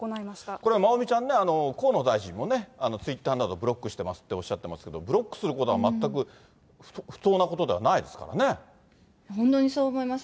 これまおみちゃんね、河野大臣もツイッターなど、ブロックしてますって、おっしゃってますけど、ブロックすることは全く不当本当にそう思います。